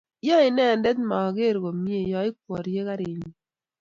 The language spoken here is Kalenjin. yae inenendet mageer komnyei yoikwerie karinyi